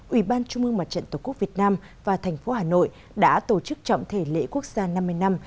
ủy ban trung mương mặt trận tổ quốc việt nam và thành phố hà nội đã tổ chức trọng thể lễ quốc gia năm mươi năm